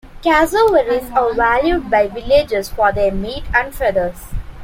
Cassowaries are valued by villagers for their meat and feathers.